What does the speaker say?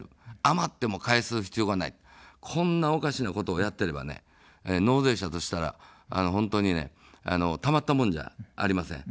余っても返す必要がない、こんなおかしなことをやってれば納税者としたら本当にたまったもんじゃありません。